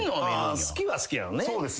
好きは好きなのね。